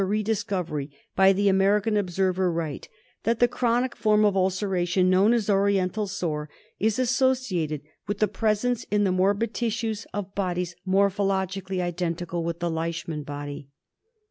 "re discovery, by the American observer, Wright, that ' the chronic form of ulceration known as Oriental Sore ' is associated with the presence in the morbid tissues of bodies morphologically identical with the Leishman body.